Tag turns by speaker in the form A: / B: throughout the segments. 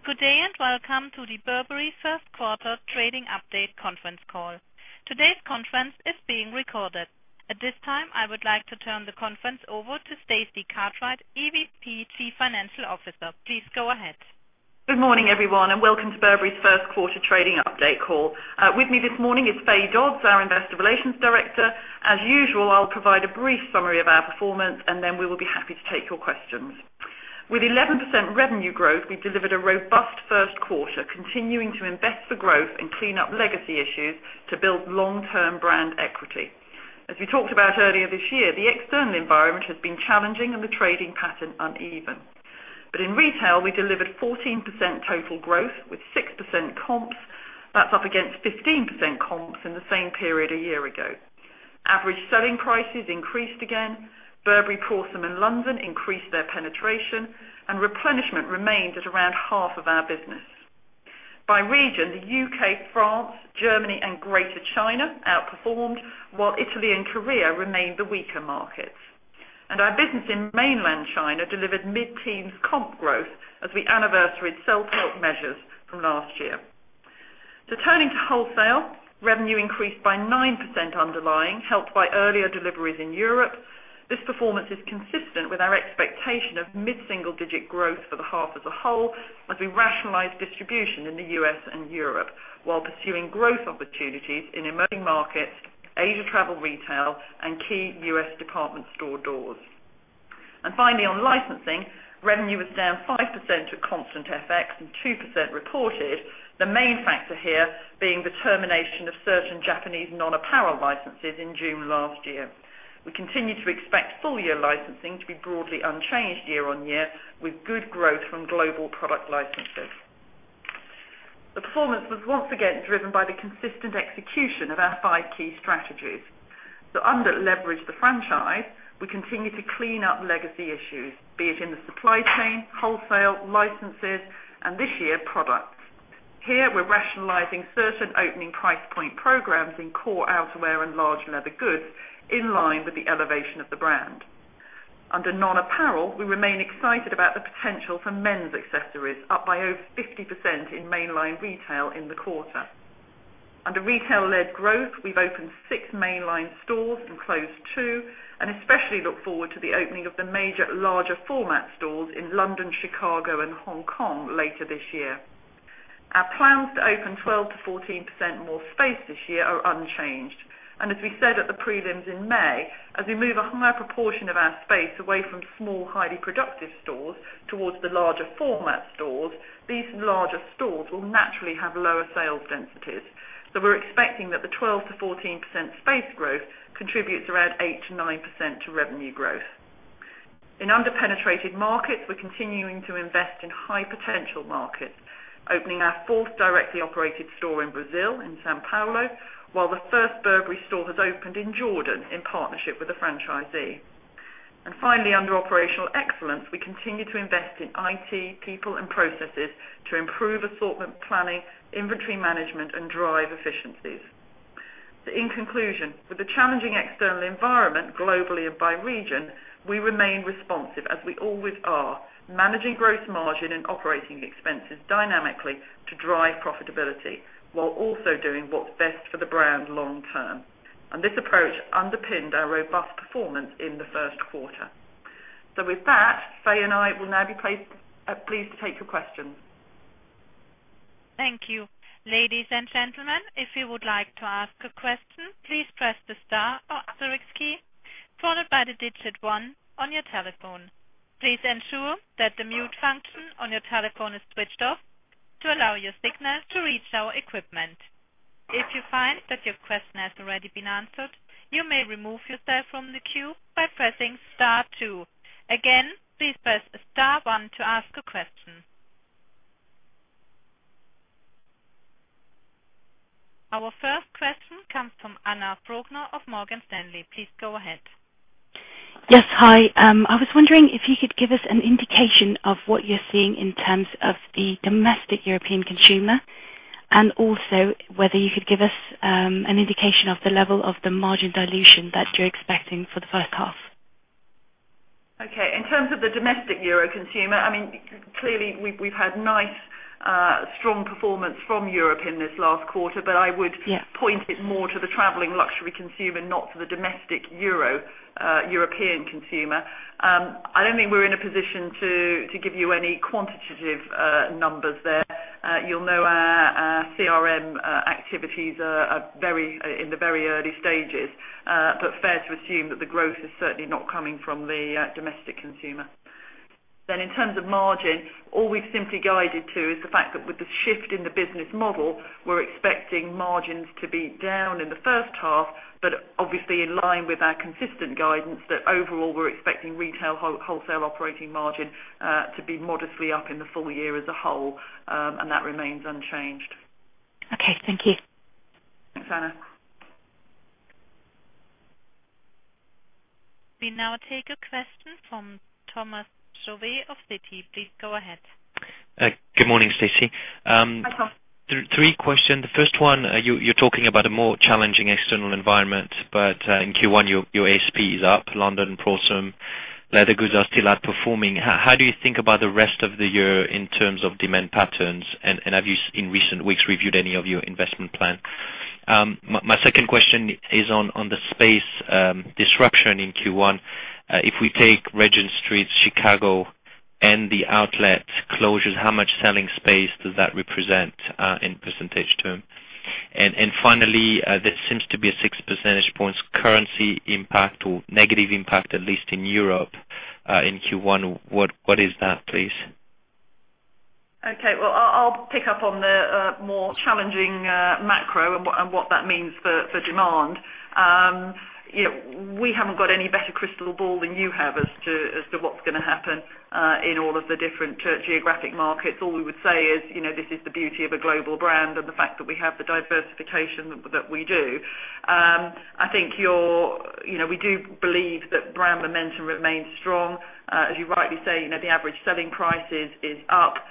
A: Good day, welcome to the Burberry first quarter trading update conference call. Today's conference is being recorded. At this time, I would like to turn the conference over to Stacey Cartwright, EVP Chief Financial Officer. Please go ahead.
B: Good morning, everyone, welcome to Burberry's first-quarter trading update call. With me this morning is Fay Dodds, our investor relations director. As usual, I'll provide a brief summary of our performance, then we will be happy to take your questions. With 11% revenue growth, we delivered a robust first quarter, continuing to invest for growth and clean up legacy issues to build long-term brand equity. As we talked about earlier this year, the external environment has been challenging and the trading pattern uneven. In retail, we delivered 14% total growth with 6% comps. That's up against 15% comps in the same period a year ago. Average selling prices increased again. Burberry, Prorsum, and London increased their penetration, and replenishment remained at around half of our business. By region, the U.K., France, Germany, and Greater China outperformed, while Italy and Korea remained the weaker markets. Our business in mainland China delivered mid-teens comp growth as we anniversaried self-help measures from last year. Turning to wholesale, revenue increased by 9% underlying, helped by earlier deliveries in Europe. This performance is consistent with our expectation of mid-single-digit growth for the half as a whole as we rationalize distribution in the U.S. and Europe while pursuing growth opportunities in emerging markets, Asia travel retail, and key U.S. department store doors. Finally, on licensing, revenue was down 5% at constant FX and 2% reported. The main factor here being the termination of certain Japanese non-apparel licenses in June last year. We continue to expect full-year licensing to be broadly unchanged year-over-year, with good growth from global product licenses. The performance was once again driven by the consistent execution of our five key strategies. Under leverage the franchise, we continue to clean up legacy issues, be it in the supply chain, wholesale, licenses, and this year, products. Here, we're rationalizing certain opening price point programs in core outerwear and large leather goods in line with the elevation of the brand. Under non-apparel, we remain excited about the potential for men's accessories, up by over 50% in mainline retail in the quarter. Under retail-led growth, we've opened six mainline stores and closed two, and especially look forward to the opening of the major larger format stores in London, Chicago, and Hong Kong later this year. Our plans to open 12%-14% more space this year are unchanged. As we said at the prelims in May, as we move a higher proportion of our space away from small, highly productive stores towards the larger format stores, these larger stores will naturally have lower sales densities. We're expecting that the 12%-14% space growth contributes around 8%-9% to revenue growth. In under-penetrated markets, we're continuing to invest in high-potential markets, opening our fourth directly operated store in Brazil in São Paulo, while the first Burberry store has opened in Jordan in partnership with a franchisee. Finally, under operational excellence, we continue to invest in IT, people, and processes to improve assortment planning, inventory management, and drive efficiencies. In conclusion, with the challenging external environment globally and by region, we remain responsive as we always are, managing gross margin and operating expenses dynamically to drive profitability while also doing what's best for the brand long term. This approach underpinned our robust performance in the first quarter. With that, Fay and I will now be pleased to take your questions.
A: Thank you. Ladies and gentlemen, if you would like to ask a question, please press the star or asterisk key followed by the digit 1 on your telephone. Please ensure that the mute function on your telephone is switched off to allow your signal to reach our equipment. If you find that your question has already been answered, you may remove yourself from the queue by pressing star two. Again, please press star one to ask a question. Our first question comes from Louise Singlehurst of Morgan Stanley. Please go ahead.
C: Yes. Hi. I was wondering if you could give us an indication of what you're seeing in terms of the domestic European consumer, and also whether you could give us an indication of the level of the margin dilution that you're expecting for the first half.
B: Okay. In terms of the domestic EUR consumer, clearly, we've had nice, strong performance from Europe in this last quarter.
C: Yeah
B: I would point it more to the traveling luxury consumer, not to the domestic European consumer. I don't think we're in a position to give you any quantitative numbers there. You'll know our CRM activities are in the very early stages. Fair to assume that the growth is certainly not coming from the domestic consumer. In terms of margin, all we've simply guided to is the fact that with the shift in the business model, we're expecting margins to be down in the first half, but obviously in line with our consistent guidance that overall we're expecting retail wholesale operating margin to be modestly up in the full year as a whole, and that remains unchanged.
C: Okay. Thank you.
B: Thanks, Anna.
A: We now take a question from Thomas Chauvet of Citi. Please go ahead.
D: Good morning, Stacey.
B: Hi, Tom.
D: Three questions. The first one, you're talking about a more challenging external environment. In Q1, your ASP is up. London, Prorsum, leather goods are still outperforming. Have you, in recent weeks, reviewed any of your investment plan? My second question is on the space disruption in Q1. If we take Regent Street, Chicago, and the outlet closures, how much selling space does that represent in percentage term? Finally, there seems to be a six percentage points currency impact or negative impact, at least in Europe, in Q1. What is that, please?
B: Okay. Well, I'll pick up on the more challenging macro and what that means for demand. We haven't got any better crystal ball than you have as to what's going to happen in all of the different geographic markets. All we would say is, this is the beauty of a global brand and the fact that we have the diversification that we do. We do believe that brand momentum remains strong. As you rightly say, the average selling prices is up.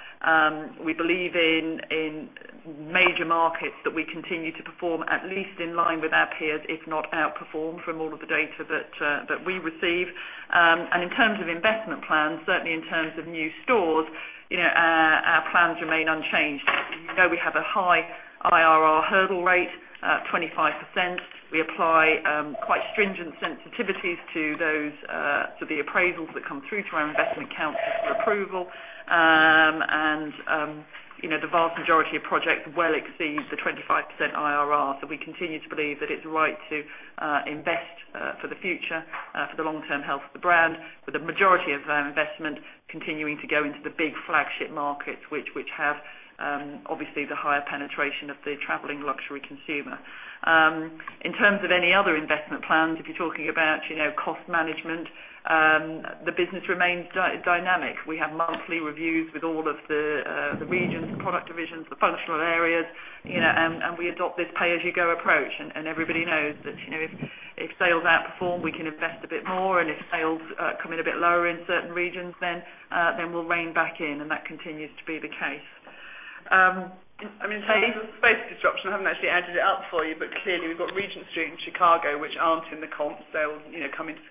B: We believe in major markets that we continue to perform at least in line with our peers, if not outperform from all of the data that we receive. In terms of investment plans, certainly in terms of new stores our plans remain unchanged. You know we have a high IRR hurdle rate, 25%. We apply quite stringent sensitivities to the appraisals that come through to our investment counters for approval. The vast majority of projects well exceed the 25% IRR. We continue to believe that it's right to invest for the future, for the long-term health of the brand, with the majority of our investment continuing to go into the big flagship markets, which have obviously the higher penetration of the traveling luxury consumer. In terms of any other investment plans, if you're talking about cost management, the business remains dynamic. We have monthly reviews with all of the regions, the product divisions, the functional areas, and we adopt this pay-as-you-go approach. Everybody knows that if sales outperform, we can invest a bit more, and if sales come in a bit lower in certain regions, then we'll rein back in, and that continues to be the case.
E: I mean, space disruption, I haven't actually added it up for you, but clearly we've got Regent Street and Chicago, which aren't in the comps. They'll come into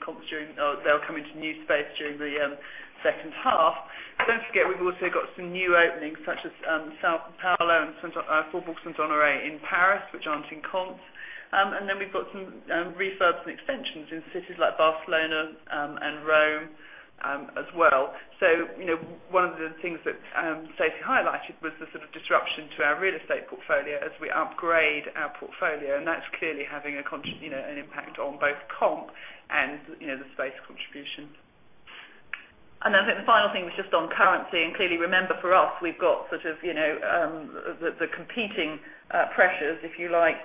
E: new space during the second half. Don't forget, we've also got some new openings such as São Paulo and Faubourg Saint-Honoré in Paris, which aren't in comps. Then we've got some refurbs and extensions in cities like Barcelona and Rome as well. One of the things that Stacey highlighted was the sort of disruption to our real estate portfolio as we upgrade our portfolio, and that's clearly having an impact on both comp and the space contribution.
B: I think the final thing was just on currency. Clearly, remember for us, we've got the competing pressures, if you like,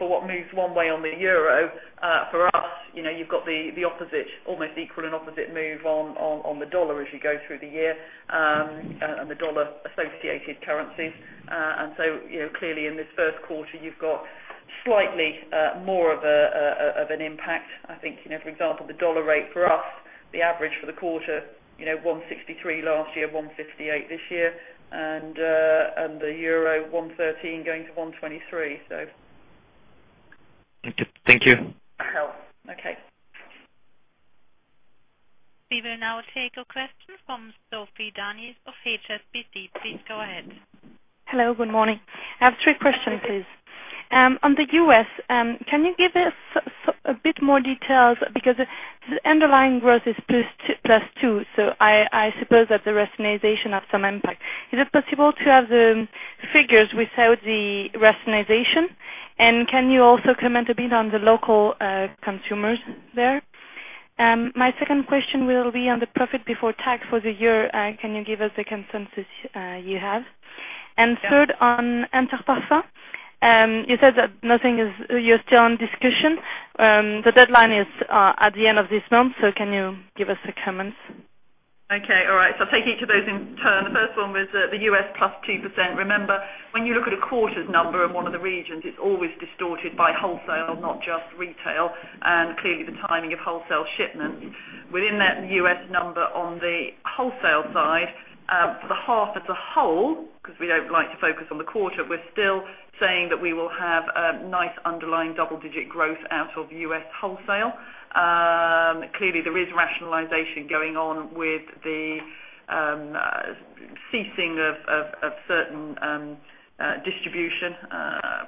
B: for what moves one way on the euro. For us, you've got the almost equal and opposite move on the dollar as you go through the year, and the dollar-associated currencies. So clearly in this first quarter, you've got slightly more of an impact. I think, for example, the dollar rate for us, the average for the quarter, 163 last year, 158 this year, and the euro 113 going to 123.
D: Thank you.
B: Okay.
A: We will now take a question from Anne-Laure Bismuth of HSBC. Please go ahead.
F: Hello, good morning. I have three questions.
B: Okay.
F: On the U.S., can you give us a bit more details? The underlying growth is plus two, I suppose that the rationalization have some impact. Is it possible to have the figures without the rationalization? Can you also comment a bit on the local consumers there? My second question will be on the profit before tax for the year. Can you give us the consensus you have? Third, on Interparfums. You said that you're still in discussion. The deadline is at the end of this month. Can you give us a comment?
B: Okay. All right. I'll take each of those in turn. The first one was the U.S. +2%. Remember, when you look at a quarter's number in one of the regions, it's always distorted by wholesale, not just retail, and clearly the timing of wholesale shipments. Within that U.S. number on the wholesale side, for the half as a whole, because we don't like to focus on the quarter, we're still saying that we will have a nice underlying double-digit growth out of U.S. wholesale. Clearly there is rationalization going on with the ceasing of certain distribution,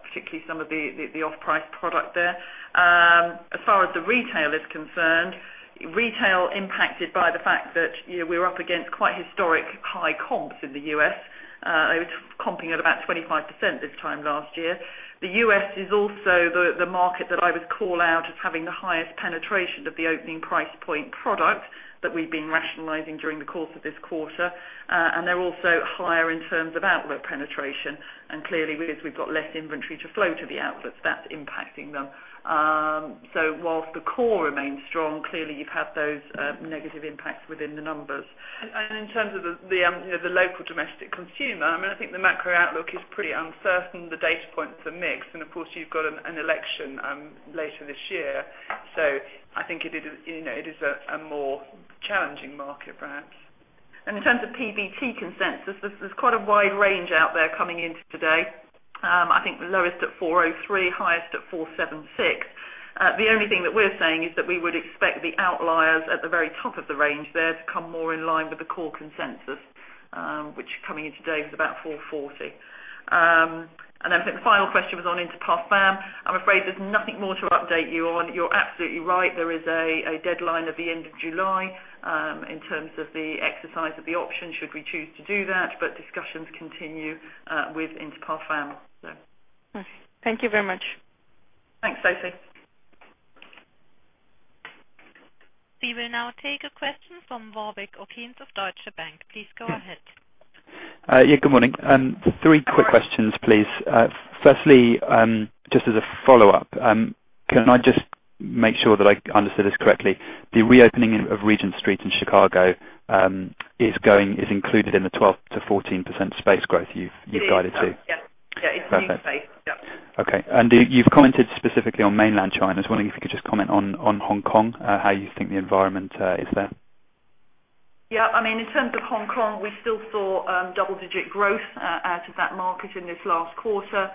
B: particularly some of the off-price product there. As far as the retail is concerned, retail impacted by the fact that we're up against quite historic high comps in the U.S. It was comping at about 25% this time last year. The U.S. is also the market that I would call out as having the highest penetration of the opening price point product that we've been rationalizing during the course of this quarter. They're also higher in terms of outlet penetration. Clearly because we've got less inventory to flow to the outlets, that's impacting them. Whilst the core remains strong, clearly you've had those negative impacts within the numbers. In terms of the local domestic consumer, I think the macro outlook is pretty uncertain. The data points are mixed. Of course, you've got an election later this year. I think it is a more challenging market perhaps. In terms of PBT consensus, there's quite a wide range out there coming into today. I think the lowest at 403, highest at 476. The only thing that we're saying is that we would expect the outliers at the very top of the range there to come more in line with the core consensus, which coming into today is about 440. I think the final question was on Interparfums. I'm afraid there's nothing more to update you on. You're absolutely right. There is a deadline at the end of July, in terms of the exercise of the option, should we choose to do that, but discussions continue with Interparfums.
F: Thank you very much.
E: Thanks, Stacey.
A: We will now take a question from Warwick of Deutsche Bank. Please go ahead.
G: Yeah, good morning. Three quick questions, please. Firstly, just as a follow-up, can I just make sure that I understood this correctly. The reopening of Regent Street in Chicago is included in the 12%-14% space growth you've guided to.
B: It is, yeah. It's new space. Yeah.
G: Okay. You've commented specifically on mainland China. I was wondering if you could just comment on Hong Kong, how you think the environment is there.
B: Yeah. In terms of Hong Kong, we still saw double-digit growth out of that market in this last quarter.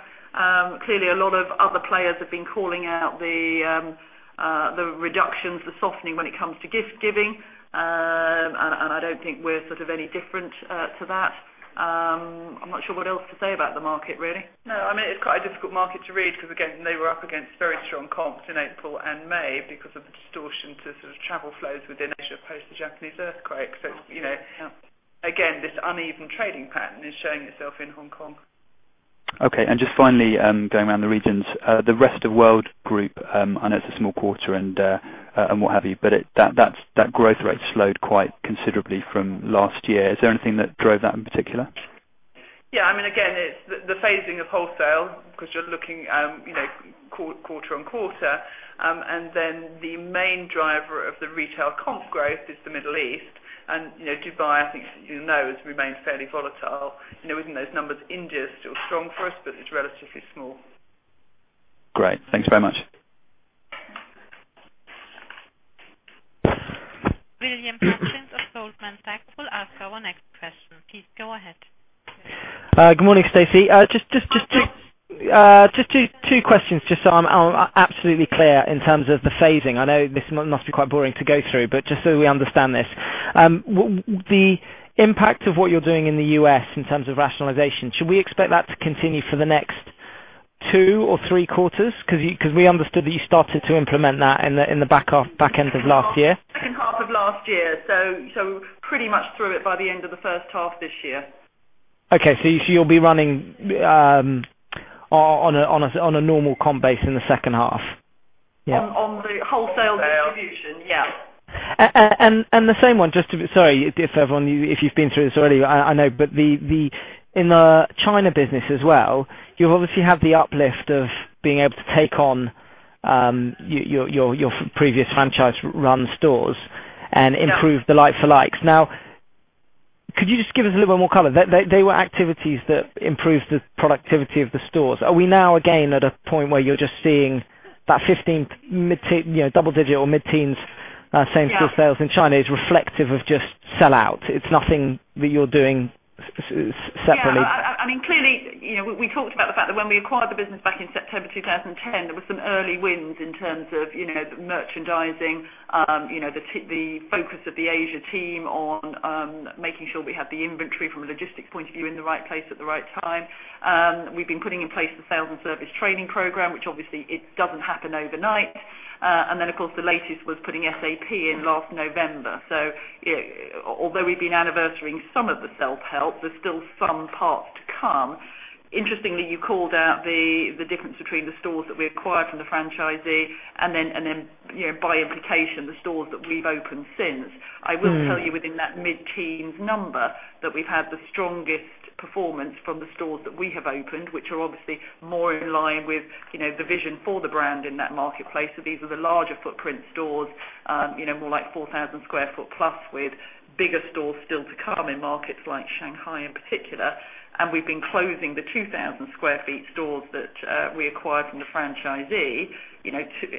B: Clearly, a lot of other players have been calling out the reductions, the softening when it comes to gift-giving. I don't think we're any different to that. I'm not sure what else to say about the market, really.
E: No, it's quite a difficult market to read because, again, they were up against very strong comps in April and May because of the distortion to travel flows within Asia post the Japanese earthquake. Again, this uneven trading pattern is showing itself in Hong Kong.
G: Okay. Just finally, going around the regions, the Rest of World Group, I know it's a small quarter and what have you, but that growth rate slowed quite considerably from last year. Is there anything that drove that in particular?
B: Yeah. Again, it's the phasing of wholesale because you're looking quarter on quarter. The main driver of the retail comp growth is the Middle East. Dubai, I think as you know, has remained fairly volatile. Within those numbers, India is still strong for us, but it's relatively small.
G: Great. Thanks very much.
A: Will Hutchings of Goldman Sachs will ask our next question. Please go ahead.
H: Good morning, Stacey. Just two questions, just so I'm absolutely clear in terms of the phasing. I know this must be quite boring to go through, but just so we understand this. The impact of what you're doing in the U.S. in terms of rationalization, should we expect that to continue for the next two or three quarters? We understood that you started to implement that in the back end of last year.
B: Second half of last year. Pretty much through it by the end of the first half this year.
H: Okay. You'll be running on a normal comp base in the second half.
B: On the wholesale distribution, yeah.
H: The same one. Sorry, if you've been through this already, I know. In the China business as well, you obviously have the uplift of being able to take on your previous franchise-run stores and improve the like-for-likes. They were activities that improved the productivity of the stores. Are we now again at a point where you're just seeing that 15 double-digit or mid-teens same-store sales in China is reflective of just sellout? It's nothing that you're doing separately.
B: Yeah. Clearly, we talked about the fact that when we acquired the business back in September 2010, there were some early wins in terms of the merchandising, the focus of the Asia team on making sure we had the inventory from a logistics point of view in the right place at the right time. We've been putting in place the sales and service training program, which obviously it doesn't happen overnight. Then, of course, the latest was putting SAP in last November. Although we've been anniversarying some of the self-help, there's still some part to come. Interestingly, you called out the difference between the stores that we acquired from the franchisee and then, by implication, the stores that we've opened since. I will tell you within that mid-teens number that we've had the strongest performance from the stores that we have opened, which are obviously more in line with the vision for the brand in that marketplace. These are the larger footprint stores, more like 4,000 square foot plus with bigger stores still to come in markets like Shanghai in particular. We've been closing the 2,000 square feet stores that we acquired from the franchisee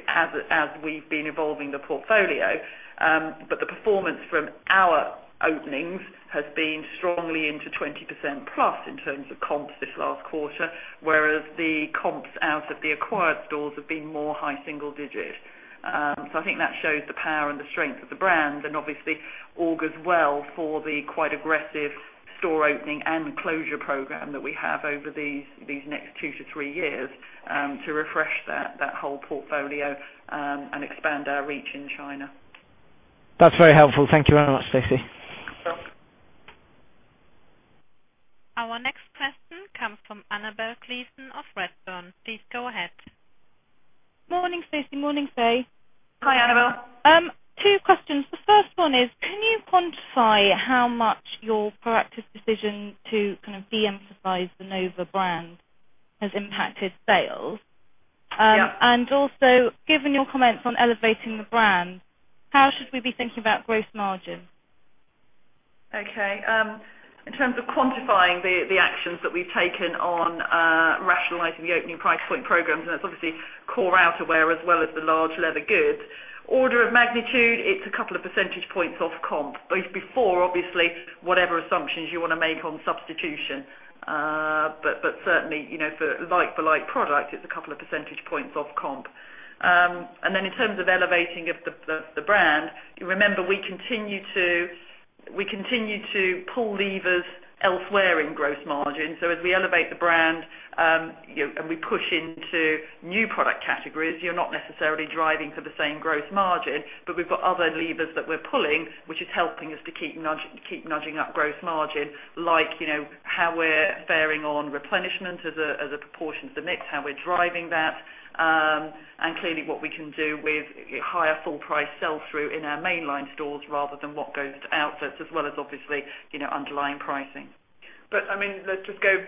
B: as we've been evolving the portfolio. The performance from our openings has been strongly into 20% plus in terms of comps this last quarter, whereas the comps out of the acquired stores have been more high single digit. I think that shows the power and the strength of the brand, and obviously augurs well for the quite aggressive store opening and closure program that we have over these next two to three years to refresh that whole portfolio and expand our reach in China.
H: That's very helpful. Thank you very much, Stacey.
B: Sure.
A: Our next question comes from Annabel Gleeson of Redburn. Please go ahead.
I: Morning, Stacey. Morning, Fay.
B: Hi, Annabel.
I: Two questions. The first one is, can you quantify how much your proactive decision to kind of de-emphasize the Nova brand has impacted sales?
B: Yeah.
I: Also, given your comments on elevating the brand, how should we be thinking about gross margin?
B: Okay. In terms of quantifying the actions that we've taken on rationalizing the opening price point programs, that's obviously core outerwear as well as the large leather goods. Order of magnitude, it's a couple of percentage points off comp, both before, obviously, whatever assumptions you want to make on substitution. Certainly, for like-for-like product, it's a couple of percentage points off comp. Then in terms of elevating of the brand, you remember we continue to pull levers elsewhere in gross margin. As we elevate the brand, and we push into new product categories, you're not necessarily driving for the same gross margin, but we've got other levers that we're pulling, which is helping us to keep nudging up gross margin. Like, how we're bearing on replenishment as a proportion of the mix, how we're driving that. Clearly what we can do with higher full price sell-through in our mainline stores rather than what goes to outlets, as well as obviously, underlying pricing.
E: Let's just go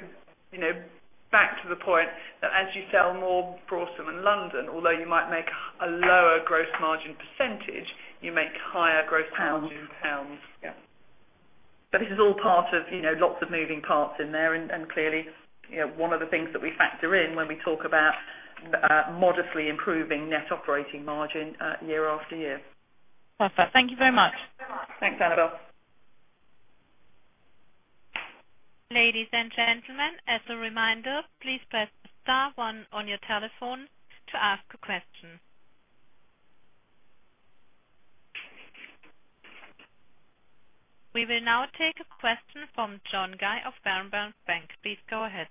E: back to the point that as you sell more across in London, although you might make a lower gross margin percentage, you make higher gross margin.
B: Pounds
E: GBP. Yeah.
B: This is all part of lots of moving parts in there. Clearly, one of the things that we factor in when we talk about modestly improving net operating margin year after year.
I: Perfect. Thank you very much.
B: Thanks, Annabel.
A: Ladies and gentlemen, as a reminder, please press the star one on your telephone to ask a question. We will now take a question from John Guy of Berenberg Bank. Please go ahead.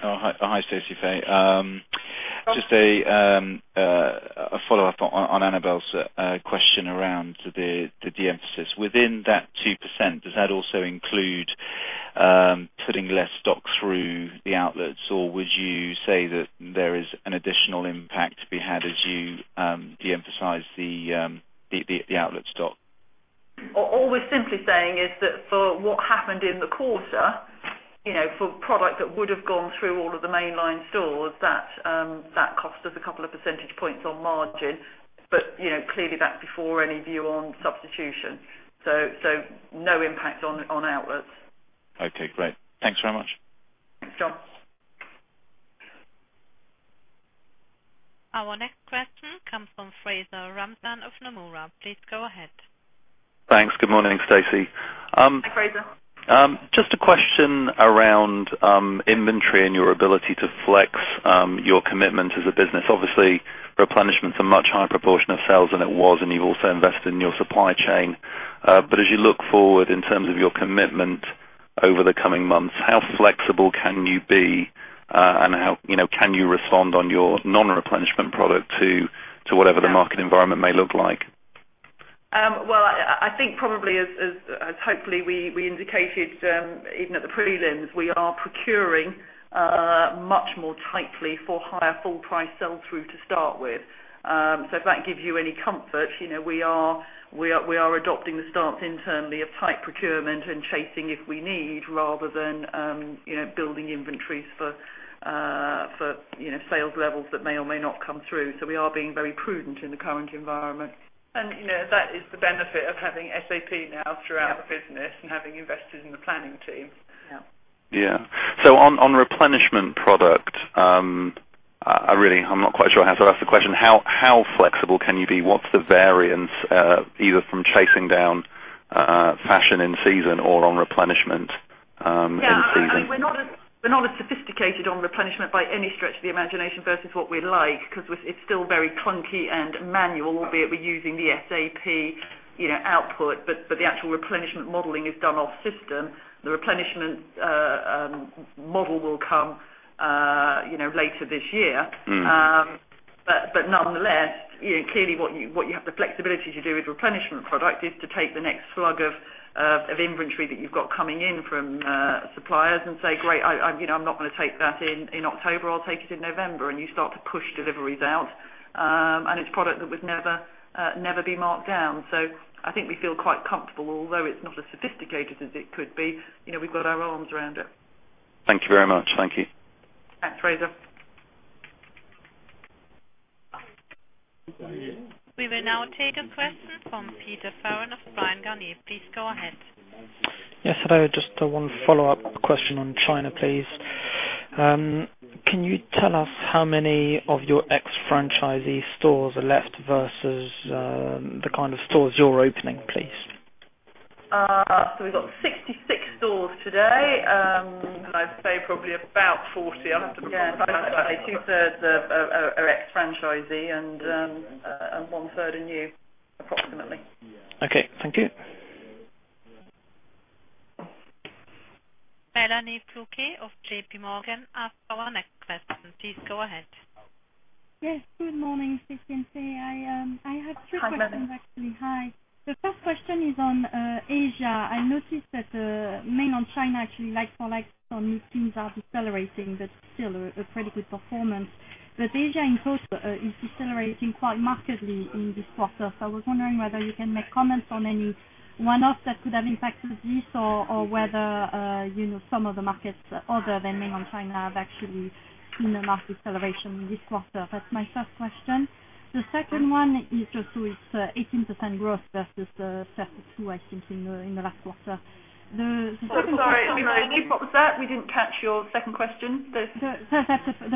J: Hi, Stacey. Just a follow-up on Annabel's question around the de-emphasis. Within that 2%, does that also include putting less stock through the outlets? Would you say that there is an additional impact to be had as you de-emphasize the outlet stock?
B: All we're simply saying is that for what happened in the quarter, for product that would have gone through all of the mainline stores, that cost us a couple of percentage points on margin. Clearly, that's before any view on substitution. No impact on outwards.
J: Great. Thanks very much.
B: Thanks, John.
A: Our next question comes from Fraser Ramzan of Nomura. Please go ahead.
K: Thanks. Good morning, Stacey.
B: Hi, Fraser.
K: Just a question around inventory and your ability to flex your commitment as a business. Obviously, replenishment is a much higher proportion of sales than it was, and you've also invested in your supply chain. As you look forward in terms of your commitment over the coming months, how flexible can you be? Can you respond on your non-replenishment product to whatever the market environment may look like?
B: Well, I think probably as hopefully we indicated, even at the prelims, we are procuring much more tightly for higher full price sell-through to start with. If that gives you any comfort, we are adopting the stance internally of tight procurement and chasing if we need, rather than building inventories for sales levels that may or may not come through. We are being very prudent in the current environment.
E: That is the benefit of having SAP now throughout the business and having invested in the planning team.
B: Yeah.
K: Yeah. On replenishment product, I'm not quite sure how to ask the question. How flexible can you be? What's the variance, either from chasing down fashion in season or on replenishment in season?
B: We're not as sophisticated on replenishment by any stretch of the imagination versus what we like because it's still very clunky and manual, albeit we're using the SAP output. The actual replenishment modeling is done off system. The replenishment model will come later this year. Nonetheless, clearly what you have the flexibility to do with replenishment product is to take the next slug of inventory that you've got coming in from suppliers and say, "Great, I'm not going to take that in October. I'll take it in November," and you start to push deliveries out. It's product that would never be marked down. I think we feel quite comfortable, although it's not as sophisticated as it could be. We've got our arms around it.
K: Thank you very much. Thank you.
B: Thanks, Fraser.
A: We will now take a question from Peter Farren of Bryan Garnier. Please go ahead.
L: Yes, hello. Just one follow-up question on China, please. Can you tell us how many of your ex-franchisee stores are left versus the kind of stores you're opening, please?
B: We've got 66 stores today.
E: I'd say probably about 40. I'll have to double check that.
B: Yeah. Two-thirds are ex-franchisee and one-third are new, approximately.
L: Okay, thank you.
A: Mélanie Flouquet of JP Morgan, up for our next question. Please go ahead.
M: Good morning, Stacey and Fay I have two questions actually. Hi. The first question is on Asia. I noticed that mainland China actually like for like some new things are decelerating, but still a pretty good performance. Asia in total is decelerating quite markedly in this quarter. I was wondering whether you can make comments on any one-offs that could have impacted this or whether some of the markets other than mainland China have actually seen a market celebration this quarter. That's my first question. The second one is just with 18% growth versus the 32, I think, in the last quarter.
B: I'm sorry, Mélanie. What was that? We didn't catch your second question.
M: The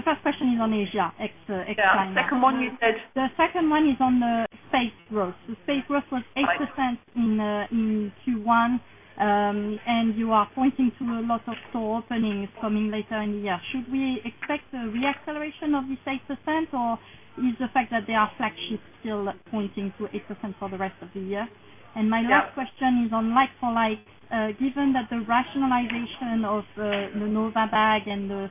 M: first question is on Asia, ex China.
B: Yeah. Second one, you said?
M: The second one is on the space growth. The space growth was 8% in Q1, and you are pointing to a lot of store openings coming later in the year. Should we expect a re-acceleration of this 8%, or is the fact that they are flagship still pointing to 8% for the rest of the year?
B: Yeah.
M: My last question is on like for like, given that the rationalization of the Nova bag and the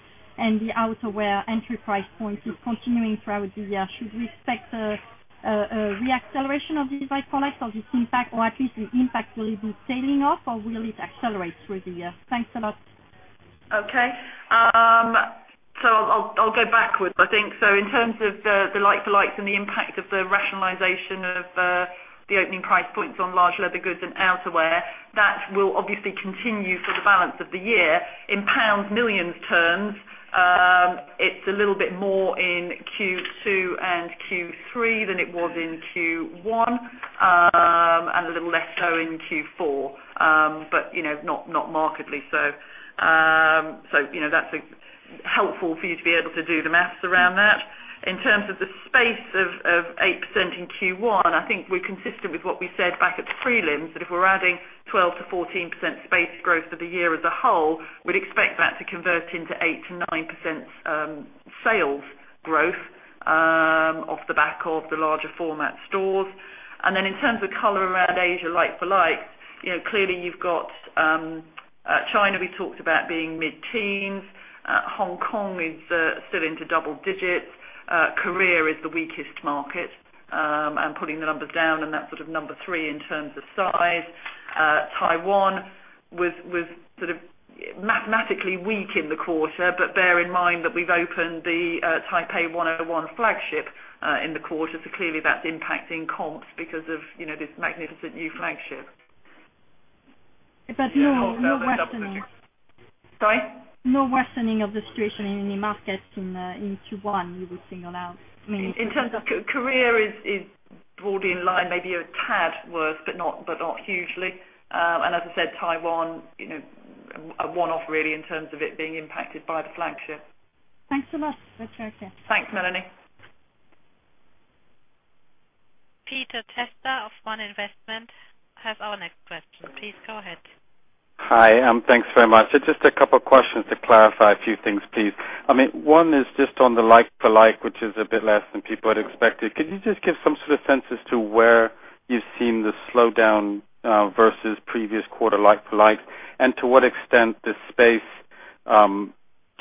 M: outerwear entry price point is continuing throughout the year, should we expect a re-acceleration of this like for like or this impact, or at least the impact will it be tailing off, or will it accelerate through the year? Thanks a lot.
B: I'll go backwards. I think so in terms of the like for likes and the impact of the rationalization of the opening price points on large leather goods and outerwear, that will obviously continue for the balance of the year. In pounds millions terms, it's a little bit more in Q2 and Q3 than it was in Q1, and a little less so in Q4. Not markedly so. That's helpful for you to be able to do the maths around that. In terms of the space of 8% in Q1, I think we're consistent with what we said back at the prelims, that if we're adding 12%-14% space growth for the year as a whole, we'd expect that to convert into 8%-9% sales growth off the back of the larger format stores. In terms of color around Asia like for like, clearly you've got China, we talked about being mid-teens. Hong Kong is still into double digits. Korea is the weakest market, and pulling the numbers down on that sort of number 3 in terms of size. Taiwan was sort of mathematically weak in the quarter, but bear in mind that we've opened the Taipei 101 flagship in the quarter. Clearly that's impacting comps because of this magnificent new flagship.
M: No worsening.
B: Sorry?
M: No worsening of the situation in any markets in Q1 you would single out mainly?
B: In terms of Korea is broadly in line, maybe a tad worse, but not hugely. As I said, Taiwan, a one-off really in terms of it being impacted by the flagship.
M: Thanks a lot. That's very clear.
B: Thanks, Mélanie.
A: Peter Testa of One Investment has our next question. Please go ahead.
N: Hi, thanks very much. Just a couple of questions to clarify a few things, please. One is just on the like for like, which is a bit less than people had expected. Could you just give some sort of sense as to where you're seeing the slowdown versus previous quarter like for like, and to what extent the space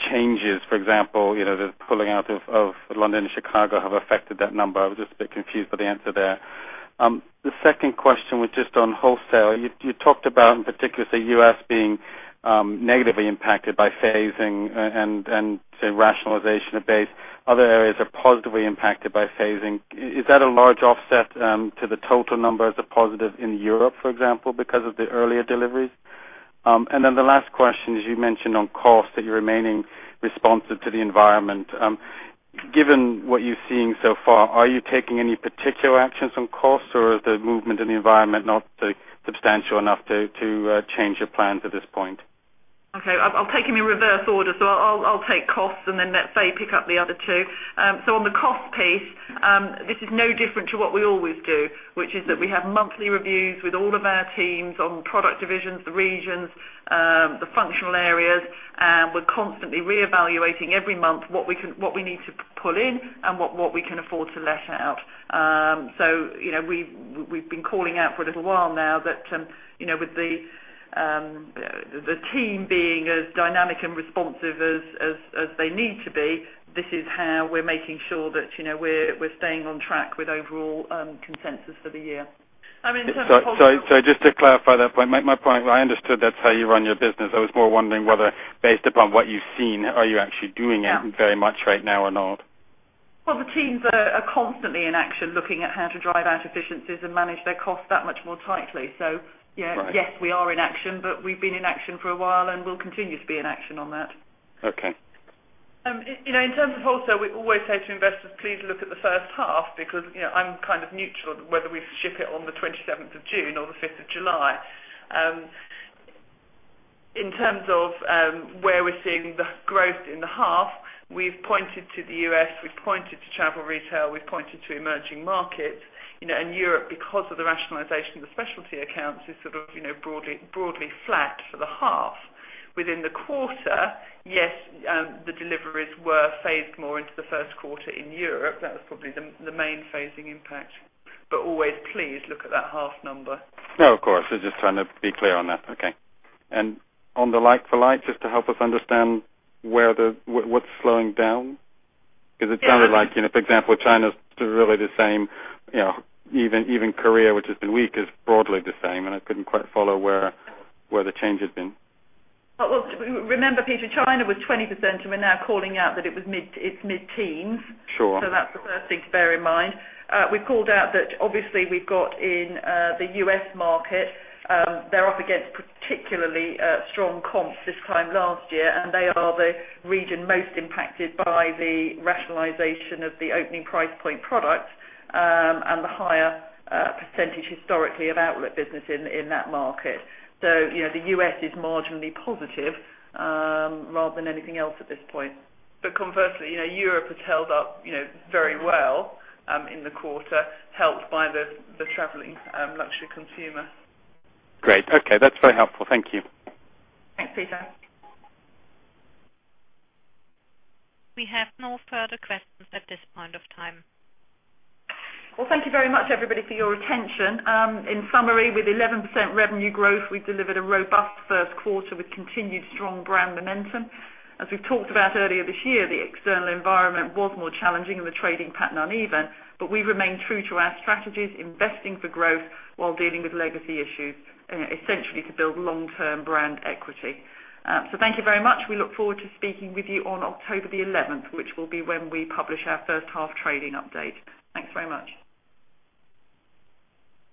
N: changes, for example, the pulling out of London and Chicago have affected that number? I was just a bit confused by the answer there. The second question was just on wholesale. You talked about in particular the U.S. being negatively impacted by phasing and say rationalization of base. Other areas are positively impacted by phasing. Is that a large offset to the total number as a positive in Europe, for example, because of the earlier deliveries? The last question is, you mentioned on cost that you're remaining responsive to the environment. Given what you're seeing so far, are you taking any particular actions on costs or is the movement in the environment not substantial enough to change your plans at this point?
B: Okay. I'll take them in reverse order. I'll take costs and then let Fay pick up the other two. On the cost piece, this is no different to what we always do, which is that we have monthly reviews with all of our teams on product divisions, the regions, the functional areas. We're constantly reevaluating every month what we need to pull in and what we can afford to let out. We've been calling out for a little while now that with the team being as dynamic and responsive as they need to be, this is how we're making sure that we're staying on track with overall consensus for the year. In terms of wholesale
N: Sorry. Just to clarify that point. My point, I understood that's how you run your business. I was more wondering whether based upon what you've seen, are you actually doing it very much right now or not?
B: Well, the teams are constantly in action looking at how to drive out efficiencies and manage their costs that much more tightly. Yes, we are in action, but we've been in action for a while and will continue to be in action on that.
N: Okay.
B: In terms of wholesale, we always say to investors, please look at the first half because I'm kind of neutral whether we ship it on the 27th of June or the 5th of July. In terms of where we're seeing the growth in the half, we've pointed to the U.S., we've pointed to travel retail, we've pointed to emerging markets. Europe, because of the rationalization of the specialty accounts, is sort of broadly flat for the half. Within the quarter, yes, the deliveries were phased more into the first quarter in Europe. That was probably the main phasing impact. Always, please look at that half number.
N: No, of course. Just trying to be clear on that. Okay. On the like for like, just to help us understand what's slowing down. Because it sounded like, for example, China's really the same. Even Korea, which has been weak, is broadly the same, and I couldn't quite follow where the change had been.
B: Well, remember, Peter, China was 20%. We're now calling out that it's mid-teens.
N: Sure.
B: That's the first thing to bear in mind. We've called out that obviously we've got in the U.S. market, they're up against particularly strong comps this time last year, and they are the region most impacted by the rationalization of the opening price point product, and the higher % historically of outlet business in that market. The U.S. is marginally positive rather than anything else at this point. Conversely, Europe has held up very well in the quarter, helped by the traveling luxury consumer.
N: Great. Okay. That's very helpful. Thank you.
B: Thanks, Peter.
A: We have no further questions at this point of time.
B: Thank you very much, everybody, for your attention. In summary, with 11% revenue growth, we've delivered a robust first quarter with continued strong brand momentum. As we've talked about earlier this year, the external environment was more challenging and the trading pattern uneven. We remain true to our strategies, investing for growth while dealing with legacy issues, essentially to build long-term brand equity. Thank you very much. We look forward to speaking with you on October the 11th, which will be when we publish our first half trading update. Thanks very much.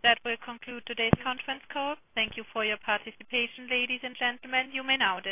A: That will conclude today's conference call. Thank you for your participation, ladies and gentlemen. You may now disconnect.